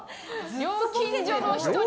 料金所の人にも？